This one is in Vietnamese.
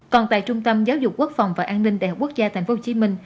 còn tại trung tâm giáo dục quốc phòng và an ninh đại học quốc gia tp hcm